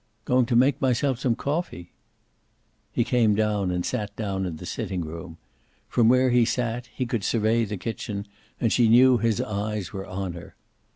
"Going to make myself some coffee." He came down, and sat down in the sitting room. From where he sat he could survey the kitchen, and she knew his eyes were on her.